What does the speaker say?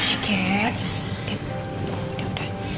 oke oke udah udah